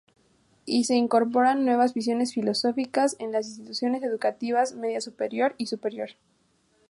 Y se incorporan nuevas visiones filosóficas en las instituciones educativas media superior y superior.